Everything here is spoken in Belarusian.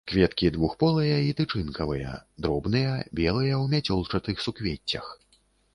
Кветкі двухполыя і тычынкавыя, дробныя, белыя, у мяцёлчатых суквеццях.